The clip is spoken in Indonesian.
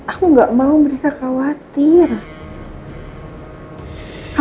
aku gak mau beri kakak watanya